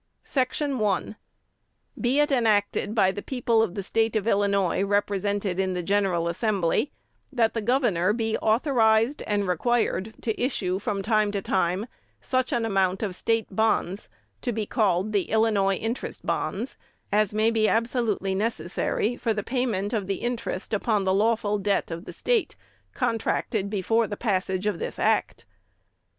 "Section 1. Be it enacted by the people of the State of Illinois represented in the General Assembly, that the governor be authorized and required to issue, from time to time, such an amount of State bonds, to be called the 'Illinois Interest Bonds,' as may be absolutely necessary for the payment of the interest upon the lawful debt of the State, contracted before the passage of this Act.